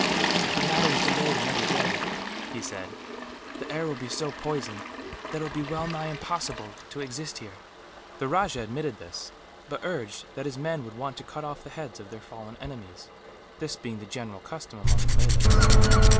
"If the matter is delayed another day," he said, "the air will be so poisoned that it will be well nigh impossible to exist here." The rajah admitted this; but urged that his men would want to cut off the heads of their fallen enemies, this being the general custom among the Malays.